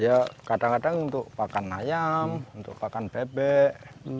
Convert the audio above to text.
ya kadang kadang untuk pakan ayam untuk pakan bebek